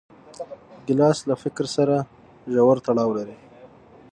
ګیلاس له فکر سره ژور تړاو لري.